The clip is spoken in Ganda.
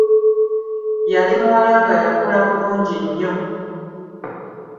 Yali muwala nga yakula bulungu nnyo.